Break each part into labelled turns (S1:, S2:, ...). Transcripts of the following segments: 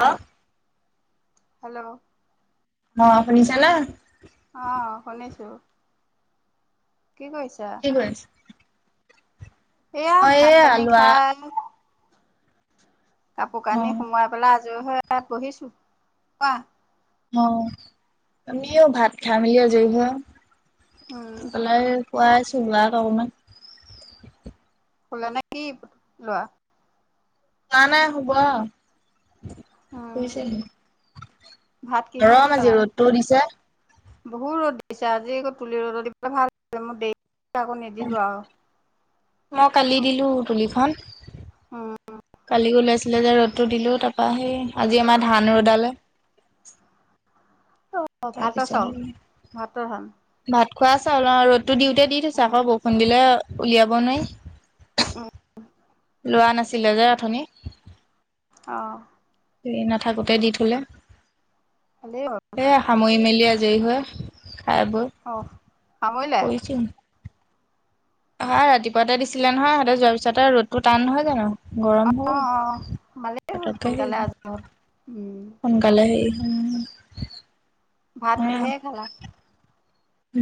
S1: হা।
S2: হেল্ল' অ'
S1: অহ, শুনিছানা।
S2: আহ শুনিছো। কি কৰিছা?
S1: কি কৰিছা?
S2: এয়া
S1: মই
S2: ভাত
S1: এইয়া
S2: পানী
S1: লোৱা
S2: খাই। কাপোৰ
S1: অ
S2: কানি সোমোৱাই পেলাই আজৰি হৈ এয়া বহিছো, কোৱা।
S1: অ আমিও ভাত খাই মেলি আজৈ হয়।
S2: উম
S1: কোলাই খোৱা আছো, লোৱা অকমান।
S2: খোলা নে কি লোৱা।
S1: যোৱা নাই শুব আ'
S2: উম
S1: শুইছে হে।
S2: ভাত কিহে
S1: গৰম আজি
S2: খালা
S1: ৰ'দতটো দিছে।
S2: বহুত ৰ'দ দিছে। আজি আকৌ তুলি ৰ'দত দিবলৈ ভাল মোৰ দেৰি আকৌ নিদিলো আৰু,
S1: মই কালি দিলো তুলিখন।
S2: উম
S1: কালি ওলাইছিলে যে ৰ'দটো দিলো তাৰপা সেই আজি আমাৰ ধান ৰ'দালে।
S2: অ ভাতৰ
S1: তাৰপিছত
S2: চাউল
S1: আৰু
S2: ভাতৰ ধান
S1: ভাত। খোৱাছা হ'ল ৰ'দতো দিওঁতে দি থৈছো।
S2: উম
S1: আকৌ বৰষুণ দিলে উলিয়াব নোৱাৰি।
S2: উম
S1: লোৱা নাছিলে যে অথনিৰ।
S2: আহ।
S1: ৰি নাথাকোতে দি থলে এ
S2: ভালেই হ'ল
S1: সামৰি মেলি দিয়া দেৰি হয় খাই বৈ
S2: অ সামৰিলে
S1: শুই ছো। অ ৰাতিপুৱাতে দিছিলে নহয় তহাতে যোৱাৰ পিছতে ৰ'দ টো টান নহয় জানো। গৰম
S2: অ অ
S1: হ'ল
S2: ভালেই হ'ল
S1: পতকে
S2: সোনকালে
S1: আহিল
S2: আজৰি হ'ল উম
S1: সোনকালে আহিল। উম।
S2: ভাত কিহে খালা?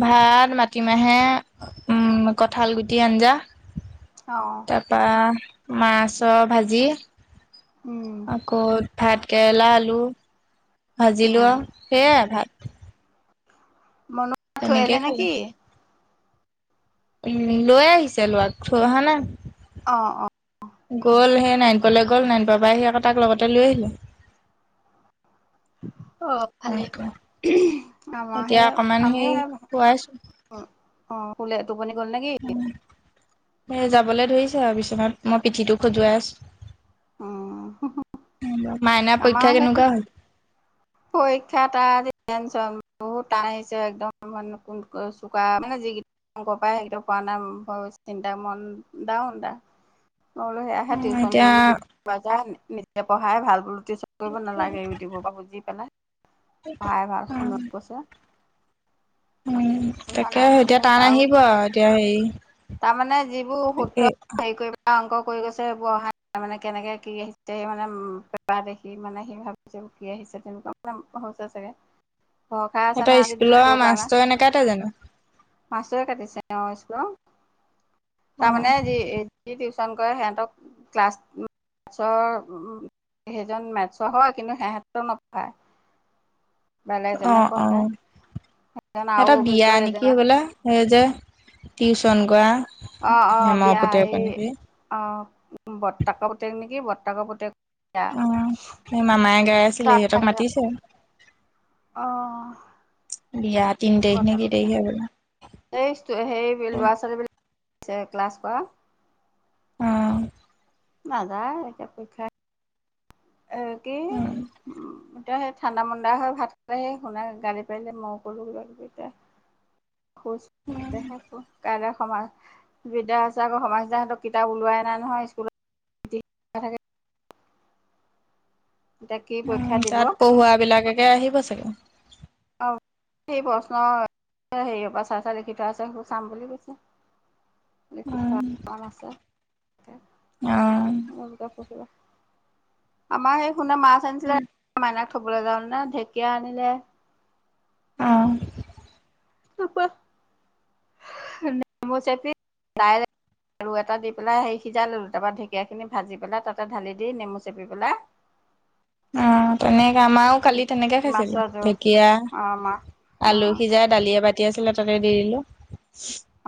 S1: ভাত মাটিমাহে উম কঠাল গুটি আঞ্জা।
S2: অ
S1: তাৰ পৰা মাছৰ ভাজি।
S2: উম
S1: আকৌ, ভাত কেৰেলা আলু ভাজি লো
S2: উম
S1: আৰু সেইয়াই ভাত।
S2: মনো থৈ আহিলে
S1: তেনেকেই খালে
S2: নেকি?
S1: উম, লৈ আহিছে ল'ৰাক থৈ অহা নাই।
S2: অ অ।
S1: গ'ল সেই নয়নপুৰলে গ'ল, নয়নপুৰ পৰা আহি তাক লগতে লৈ আহিলে।
S2: আহ ভালেই হ'ল আমাৰাহে
S1: এতিয়া অকমান সেই
S2: আমিওহে
S1: খুৱাইছো
S2: অ অ শুলে, টোপনি গ'ল নে কি?
S1: যাবলৈ ধৰিছে আৰু বিশ্বনত মই পিঠিটো খজুৱাই আছো।
S2: উম।
S1: মাইনা
S2: আমাৰ
S1: পৰীক্ষা
S2: সেই
S1: কেনেকুৱা হয়?
S2: পৰীক্ষা তাৰ টেনচন বহুত টান আহিছে। একদম নতুনকৈ চোকা মানে- আগৰ পাই সেইকেইটা পোৱা নাই চিন্তা মন দাউন তা মই বুলো সে টিউচন
S1: এতিয়া
S2: কৰিলো বুজি পা যা নিজে পঢ়াই ভাল বোলো টিউচন কৰিব নালাগে ইউটিউব পৰা বুজি পেলাই পঢ়াই ভাল ফোনত কৈছে।
S1: উম
S2: ভাল হোৱা
S1: তাকে
S2: নাই বুলি
S1: এতিয়া
S2: কৈছে
S1: টান আহিব আৰু এতিয়া হেৰি
S2: তাৰমানে যিবোৰ
S1: এ
S2: সূত্ৰ হেৰি কৰিব অংক কৰি গৈছেবোৰ অহা মানে কেনেকে কি আহিছে স মানে পেপাৰ দেখি মানে সি ভাবিছে সি আহিছে তেনেকুৱা মানে হৈছে চাগৈ ভয় খাই আছে
S1: সিহঁতৰ
S2: না আজি
S1: স্কুলৰ
S2: স্থুল কৰা নাই।
S1: মাষ্টৰ নেকাতে জানো
S2: মাষ্টৰে কাটিছে অ, স্কুলৰ।
S1: অ
S2: তাৰমানে যি- যি টিউশচন কৰে সিহঁতক ক্লাছ মেথছৰ সেইজন মেথছৰ হয়, কিন্তু সিহঁতক নপঢ়াই।
S1: অ- অ
S2: সেইজন আৰু
S1: এটা
S2: অভিজ্ঞ
S1: বিয়া নেকি
S2: সেইজনৰ
S1: বোলো। সেই যে টিউচন কৰা।
S2: অ- অ
S1: হেমৰ
S2: বিয়া
S1: পুতেকৰ
S2: এই
S1: নেকি
S2: অ, বৰ্তাকৰ পুতেক নেকি, বৰ্তাকৰ পুতেক। এয়া
S1: অ সেই মামাই গাই আছিলে
S2: তাত
S1: সিহঁতক
S2: থাকে।
S1: মাতিছে
S2: আহঁ।
S1: বিয়া তিন তাৰিখ নে কি
S2: বৰ্তাকৰ পুতেক,
S1: তাৰিখে হবলা
S2: সেই লৰা -ছোৱালী বিলাক ক্লাছ পোৱা।
S1: [unintelligible]
S2: নাযায়, এতিয়া পৰীক্ষা আহিলে।
S1: উম।
S2: উম এতিয়া সেই ঠাণ্ডা মন্দা হয় ভাত খালে সেই শুনা গালি পাৰিলে মই কলো এতিয়া খুচ
S1: উম
S2: দেখা ক তাৰা- সমাজ বিদ্যা আছে, আকৌ সমাজ দাহঁতৰ কিতাপ ওলোৱাই নাই নহয় স্কুলত থাকে। এতিয়া কি
S1: উম,
S2: পৰীক্ষা দিব
S1: তাত পঢ়ুৱাবিলাকে আহিব চাগে।
S2: অ, সেই প্ৰশ্ন হেৰিয়ৰ, পৰা চাই চাই লিখি থোৱা আছে। সেই চাম বুলি কৈছে।
S1: [inaudible]
S2: লিখি থোৱা কাৰ আছে,
S1: অ',
S2: মোৰ কিতপ পঢ়িব আছে। আমাৰ সেই শুনা মাছ আনিছিলে মাইনাক থবলৈ যাওঁতেনে ঢেকীয়া আনিলে।
S1: অ',
S2: ন ম চ আৰু এটা দি পেলাই সেই সিজাই ললো, তাৰপৰা ঢেকীয়াখিনি ভাজি পেলাই, তাতে ঢালি দি নেমু চেপি পেলাই
S1: [inaudible] অ, তেনেকে আমাৰও কালি তেনেকে খাইছিলো
S2: মাছৰ জোল
S1: ঢেকীয়া।
S2: অ' মা
S1: আলু
S2: অ'
S1: সিজাই দালি এবাতি, আছিলে তাতে দি দিলো।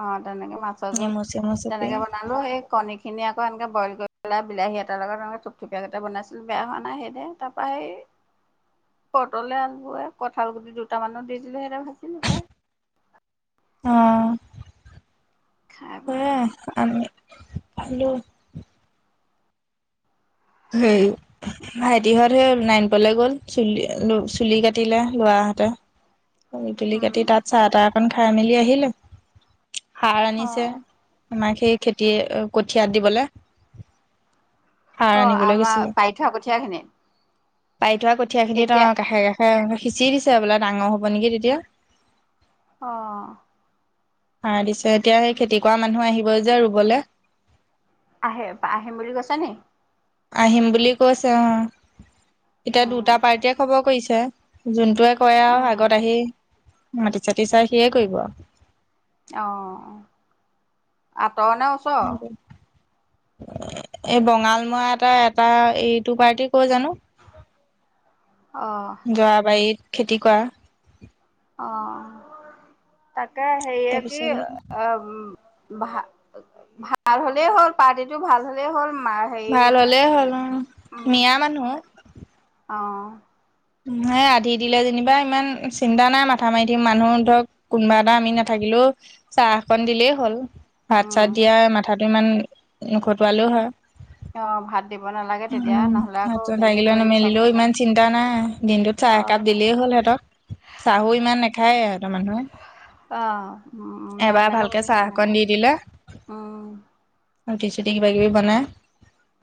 S2: অ, তেনেকে মাছৰ জোল
S1: নেমু চেমু চেপি
S2: তেনেকে বনালো, এই কণী খিনি আকৌ এনকে বইল কৰি পেলাই বিলাহী এটাৰ লগত থুপথুপীয়া কটা বনাইছিল বেয়া হোৱা নাই, সেইদৰে তাৰ পৰা সেই পটলে আলোৱে, কঁঠাল গুটি দুটামানো দি দিলো সেইদৰে ভাজিলো সেইয়া।
S1: অ'।
S2: খাব।
S1: হেল্ল'। সেই, ভাইটিহঁত সেই নাৰায়নপুৰলৈ গ'ল, চুলি-চুলি কাটিলে লৰা সিহঁতে। চুলি কাটি
S2: উম
S1: তাত চাহ তাহ কন খাই মেলি আহিলে, সাৰ আনিছে।
S2: অ'
S1: আমাক সেই খেতি কঠিয়াত দিবলৈ।
S2: অ, আমাৰ পাৰি থোৱা কঠীয়া খিনি।
S1: পাৰি থোৱা কঠীয়াখিনিত ত কাষে- কাষে সিঁচি দিছে বোলে। ডাঙৰ হ'ব নেকি? তেতিয়া
S2: অহ।
S1: সাৰ দিছে এতিয়া। সেই খেতি কৰা মানুহ আহিবই যে ৰুবলৈ।
S2: আহে -আহিম বুলি কৈছোঁ ন।
S1: আহিম বুলি কৈছে অ, এতিয়া
S2: অ'
S1: দুটা পাৰ্টিয়ে খবৰ কৰিছে। যোনটোৱে কৰে আৰু
S2: উম,
S1: আগত আহি মাটি চাতি চাই য়ে কৰিব আৰু।
S2: অহ, আঁতৰ নে ওচৰ?
S1: এই বঙালমৰা এটা -এটা এইটো পাৰ্টি কৈ জানো।
S2: অ',
S1: যোৱা বাৰীত খেতি কৰা।
S2: অ, তাকে সেৰিয়ে কি,
S1: তাৰপিছত
S2: আহ। ভ ভাল হ'লেই হ'ল পাৰ্টিটো ভাল হলেই হ'ল। মা হেৰি
S1: ভাল হ'লে হ'ল। অ, মিয়া মানুহ
S2: অহ
S1: উম হে আধি দিলে যেনিবা ইমান চিন্তা নাই মাথা মাৰি থাকিম মানুহ অন্তত কোনোবা এটা আমি নেথাকিলে লো চাহকন দিলে হ'ল ভাত চাত
S2: উম,
S1: দিয়া মাথাটো ইমান নখটোৱালেও হয়।
S2: অ', ভাত দিব নালাগে
S1: উহু
S2: তেতিয়া নহ'লে আকৌ
S1: হাত-চাত
S2: নিজে
S1: ভাঙিলে না
S2: কৰিলে
S1: মেলিলেও
S2: চবতে
S1: ইমান
S2: লাগে।
S1: চিন্তা নাই। দিনটোত চাহ একাপ
S2: অ',
S1: দিলেই হ'ল সিহঁতক চাহো ইমান নেখায় এ সিহঁতৰ মানুহে
S2: অ উম,
S1: এবাৰ
S2: মিয়াবিলাকে
S1: ভালকে
S2: বকিছে
S1: চাহ
S2: এনেকে
S1: অকণ দি দিলে
S2: উম,
S1: আৰু টিচুইদি কিবা কিবি বনাই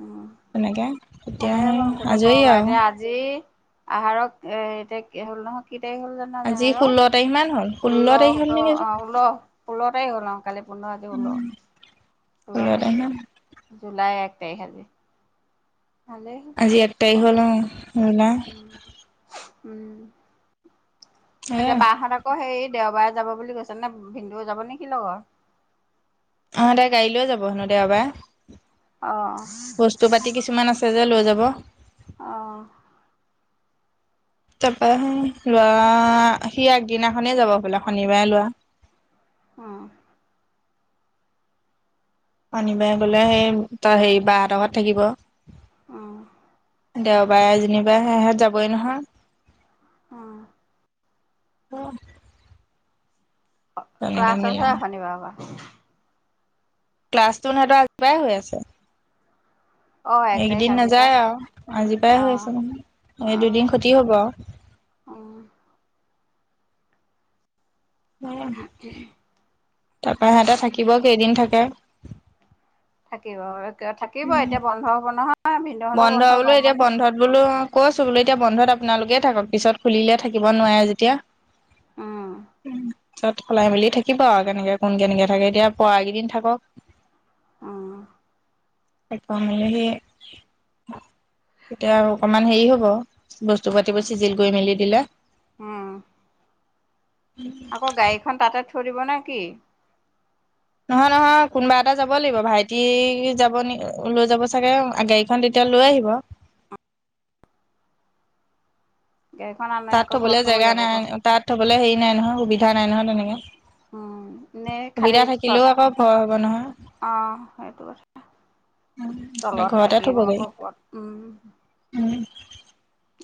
S2: উম
S1: তেনেকে তেতিয়া
S2: ভালেই হাল
S1: সেই
S2: মুঠতে
S1: আজৰি
S2: কক
S1: আৰু
S2: এতিয়া আজি আহাৰক এ এতিয়া হ'ল নহয় কি তাৰিখ হ'ল জানো আজি আহাৰক
S1: ষোল্ল তাৰিখ মান হ'ল।
S2: ষোল্ল,
S1: তাৰিখ হ'ল
S2: সোতৰ
S1: নেকি আজি
S2: অহ ষোল্ল ষোল্ল তাৰিখ হ'ল আৰু কাইলে পোন্ধৰ আজি ষোল্ল ষোল্ল তাৰিখ জুলাইৰ এক তাৰিখ আজি ভালেই
S1: আজি এক তাৰিখ
S2: হ'ব
S1: হ'ল নহয়
S2: উম
S1: জুলাইৰ
S2: উম
S1: এ
S2: এতিয়া বা হত আকৌ হেৰিত দেওবাৰে যাব বুলি কৈছে নে ভিনদেউ ও যাব নেকি লগত?
S1: অহ! দে গাড়ী লৈ যাব হেনো দেওবাৰে।
S2: অ
S1: বস্তু পাতি কিছুমান আছে যে লৈ যাব
S2: অহ!
S1: তাৰপা সি লৱা সি আগদিনাখনেই যাব বোলে শনিবাৰে লৱা
S2: অ
S1: শনিবাৰে বোলে সি তাৰ হেৰি বা হতৰ ঘৰত থাকিব
S2: উহ!
S1: দেওবাৰে যেনিবা সিহঁত যাবই নহয়
S2: অ'!
S1: অ'!
S2: ক্লাছ আছে এ শনিবাৰৰ পৰা।
S1: ক্লাছটো সিহঁতৰ আজিপৰাই হৈ আছে।
S2: অ এক তাৰিখ
S1: এইকেইদিন
S2: আজিৰ পৰা
S1: নাযায় আৰু আজিৰ পাই
S2: অ
S1: হৈ আছে নহয়। এই দুদিন ক্ষতি হ'ব আও।
S2: অ'।
S1: তাৰপৰা সিহঁতে থাকিব কেইদিন থাকে
S2: থাকিব অ, থাকিব এতিয়া বন্ধ হব নহয়। ভিনদেউহঁতৰ
S1: বন্ধ বোলো
S2: গৰম
S1: এতিয়া
S2: বন্ধ
S1: বন্ধত বোলো কইছো বোলো এতিয়া বন্ধত আপোনালোকে এ থাকক পিছত খুলিলে থাকিব নোৱাৰে যেতিয়া।
S2: অ'।
S1: তাত সলাই মেলি থাকিব আৰু কেনেকে কোন কেনেকে থাকে এতিয়া পৰা কেইদিন থাকক।
S2: অ'।
S1: এক বাৰ মেৰে লিয়ে এতিয়া আৰু অকমান হেৰি হব বস্তু পাতিবোৰ চিজিল কৰি মেলি দিলে
S2: উম। আকৌ গাড়ীখন তাতে থৈ দিব নে কি?
S1: নহয় নহয় কোনোবা এটা যাবই লাগিব ভাইটি যাব নি লৈ যাব চাগে গাড়ীখন তেতিয়া এতিয়া লৈ আহিব।
S2: গাড়ীখন আনে
S1: তাত
S2: আকৌ ঘৰত
S1: থবলৈ
S2: থ'ব
S1: জেগা
S2: লাগিব
S1: নাই
S2: ঘৰত
S1: তাত থবলৈ হেৰি নাই নহয় সুবিধা নাই নহয় তেনেকে।
S2: উম নে খালি
S1: সুবিধা
S2: চত
S1: থাকিলেও আকৌ ভয় হ'ব
S2: অ'! সেইটো কথা।
S1: নহয়
S2: তলত
S1: ঘৰতে থব
S2: থাকিব
S1: গাড়ী
S2: ক'ত উম
S1: উম,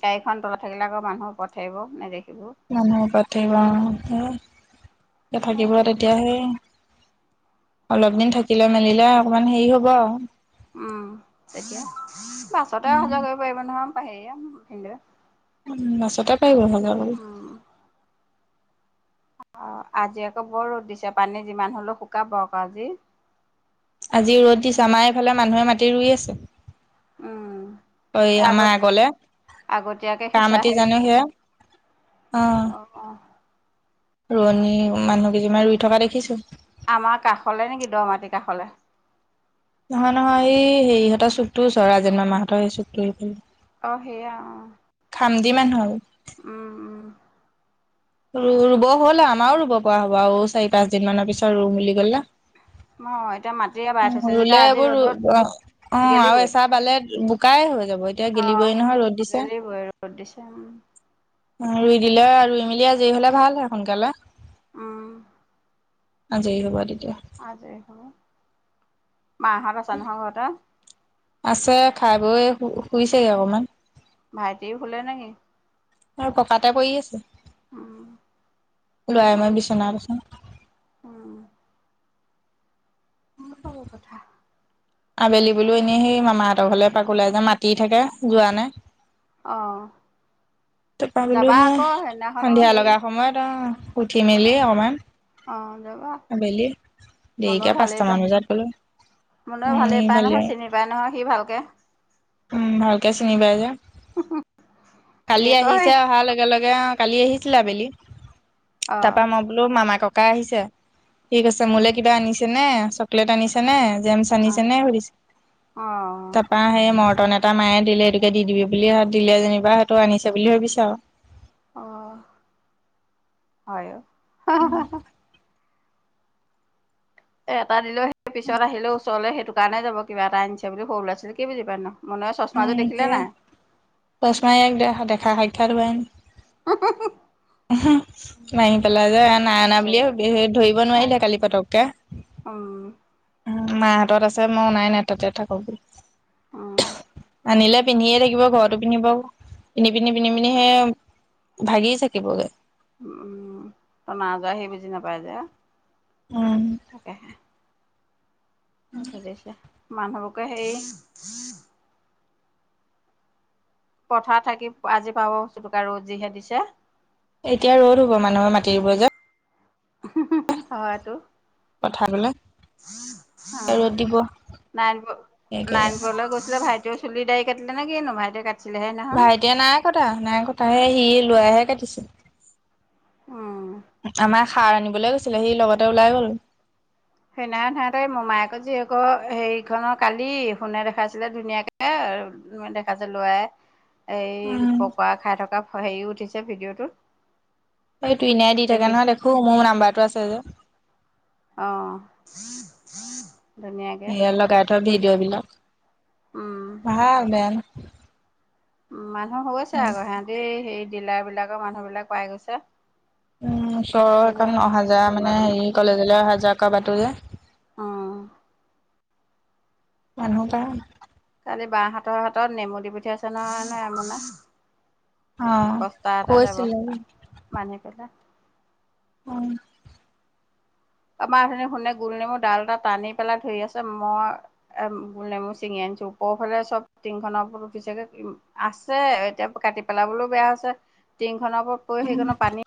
S2: গাড়ীখন তলত থাকিলে আকৌ মানুহ ওপৰত থাকিব
S1: মানুহৰ ওপৰত থাকিব অ, সেয়াই এতি
S2: সেইটো
S1: থাকিবলৈ
S2: কথা
S1: তেতিয়াহে অলপ দিন থাকিলে মেলিলে অকমান হেৰি হ'ব আৰু।
S2: উম তেতিয়া বাছতে অহা যোৱা কৰিব পাৰিব নহয় হেৰীয়ে
S1: উম বাছতে পাৰিব অহা যোৱা কৰিব।
S2: অ, আজি আকৌ বৰ ৰ'দ দিছে পানী যিমান হলেও শুকাব আকৌ আজি
S1: আজি ৰ'দ দিছে আমা এফালে মানুহে মাটি ৰুই আছে।
S2: উম।
S1: কৰি
S2: এ আগত
S1: আমাৰ আগলে,
S2: আগতীয়াকে
S1: কা
S2: সিঁচা
S1: মাট
S2: হেৰি
S1: জানো সেয়া? অ
S2: অ'!
S1: ৰোৱনী মানুহ কেইজনিমান ৰুই থকা দেখিছোঁ।
S2: আমাৰ কাষলে নেকি দ মাটিৰ কাষলে?
S1: নহয় নহয় এই হেৰিহঁতৰ চুকটো ওচ ৰাজেন মামাহঁতৰ সেই চুকটো
S2: অ, সেয়া অ!
S1: খামটি মানুহ
S2: উম উম।
S1: ৰ ৰুব হ'ল আমাও ৰুব পৰা হ'ব আৰু চাৰি পাঁচ দিন মানৰ পিছত ৰু বুলি ক'লে
S2: অ এতিয়া মাটিৰে বাই থৈছে যেতিয়া
S1: ৰুলে
S2: আজি
S1: এইবোৰ
S2: ৰ'দত
S1: অ আৰু
S2: গেলিবই
S1: এচা বালে বোকাই হৈ যাব এতিয়া
S2: অ
S1: গেলিবই নহয় ৰ'দ দিছে।
S2: গেলিবই ৰ'দ দিছে উম
S1: ৰুই দিলে ৰুই মেলি আজৰি হলে ভাল হয় সোনকালে।
S2: অ'।
S1: আজৰি হব তেত
S2: আজৰি হব। মাহত আছে নহয় ঘৰতে?
S1: আছে খাই বৈ শুইছেগে অকমান।
S2: ভাইটি শুলে নেকি?
S1: আৰু পকাতে পৰি আছোঁ।
S2: উম
S1: লৱাই মই
S2: মচুক
S1: বিচনাত আছোঁ।
S2: উম [unintelligible] কথা।
S1: আবেলি বোলো এনেই সেই মামাহঁতৰ ঘৰলে এপাক ওলাই যে মাতি থাকে যোৱা নাই।
S2: অ'।
S1: টাপা বোলো
S2: যাবা
S1: হে
S2: আকৌ সেইদিনাখনো
S1: সন্ধিয়া
S2: হেৰি
S1: লগা সময়ত আ উঠি মেলি
S2: ওলাই
S1: অকমান
S2: অ' যাবা।
S1: আবেলি
S2: মনেও
S1: দেৰিকে
S2: ভালেই পায়
S1: পাঁচটামান বজাত গ'লোঁ।
S2: মনেও ভালেই পায় নহয় চিনি পায় নহয় সি ভালকে।
S1: উম, ভালকে চিনিপাই যে
S2: ই
S1: কালি আহিছে
S2: কয়
S1: অহাৰ লগে-লগে অ', কালি আহিছিলে আবেলি
S2: অ
S1: তাৰপা মই বোলো মামা ককাই আহিছে। ঠিক আছে
S2: উম
S1: মোলে কিবা আনিছে ন চকলেট আনিছে নে। যেমচ
S2: অ
S1: আনিছেনে সুধিছে,
S2: অ
S1: তাৰপৰা সেই মৰ তন এটা মায়ে দিলে এইেটোকে দি দিবি বুলি দিলে যেনিবা সেইটো আনিছে বুলি ভাবিছে আৰু।
S2: অ' হয়। এটা দিলেও সেই পিছত আহিলেও ওচৰলৈ সেইটো কাৰণে যাব কিবা এটা আনিছে বুলি সৰু ল'ৰা ছোৱালী আছিল কি বুজি পায় নো।
S1: উম, সেয়ে [unintelligible] দেখা সাক্ষাৎ হোৱাই নাই।
S2: [unintelligible]
S1: মাৰি পেলাই যে নাই অনা বুলিয়ে ধৰিব নোৱাৰিলে কালি পতককে।
S2: উম
S1: মাৰ হাতত আছে মই অনাই নাই তাতে থাকক।
S2: উম।
S1: আনিলে পিন্ধিয়ে থাকিব ঘৰতো পিন্ধিব পিন্ধি পিন্ধি- পিন্ধি- পিন্ধি সেই ভাগি থ কিব গে।
S2: উম [unintelligible] যোৱা সি বুজি নাপাই যে।
S1: উম
S2: তাকেহে। [unintelligible] ছে মানুহবকে হেৰি পথাৰ থাকি আজি পাব চুকা ৰ'দ যিহে দিছে।
S1: এতিয়া ৰ'দ হব মানুহৰ মাটিৰ ৰুব যে [unintelligible]
S2: হয়তো
S1: পথাবলে।
S2: অ', নাইন
S1: একেবাৰে
S2: নাইনপুৰলে গৈচিলে ভাই চুলি দাই কাটিলেনে কিনো ভাইটিয়ে ক
S1: ভাইটিয়ে নাই কটা-নাই কটা সি লৱাইহে কাটিছে।
S2: উম
S1: খাৰ আনিবলৈ গৈছিলে সি লগতে ওলাই গ'ল।
S2: সেইনাখন সিহতে মোমায়েকৰ জীয়েকৰ হেৰিখনৰ কালি শুনে দেখাইছিলে ধুনীয়াকে দেখা যে লআই এই
S1: উম
S2: পকোৱা খাই থকা হেৰিও উঠিছে ভিডিঅ'টোত।
S1: এই তুইনাই দি থাকে
S2: দেখিছে
S1: নহয় দেখো মোৰ নাম্বাৰটো আছে যে।
S2: অ'। ধুনীয়াকে
S1: সেয়া লগাই থয় ভিডিঅ' বিলাক
S2: উম,
S1: ভাল বেন
S2: উম, মানুহ হৈছে
S1: নহয়।
S2: আকৌ সিহতি সেই ডিলাৰ বিলাকৰ মানুহবিলাক পাই গৈছে।
S1: উম, চহৰৰ
S2: এইফালে
S1: এখন অহা যোৱা
S2: কোনোবা
S1: মানে
S2: কোনোবা
S1: হেৰি কলেজলৈ অহা যোৱা কৰা বাতো যে।
S2: অ'।
S1: মানুহ পাই।
S2: বাহাতৰ হাতত নেমু দি পঠিয়াইছে নহয় নে আইমনে।
S1: অ
S2: বস্তা এটা দে
S1: কৈছিলে
S2: বস্তা বান্ধি পেলাই
S1: উম।
S2: আমাৰ অথনি শুনে গোল নেমু ডাল এটা টানি পেলাই ধৰি আছে মই এ গুল নেমু ছিঙি আনিছো ওপৰফালে চব টিংখনৰ ওপৰত উঠিছেগে আছে এতিয়া কাটি পেলাবলৈও বেয়া হৈছে টিংখনৰ ওপৰত পৰি সেইখনৰ পানী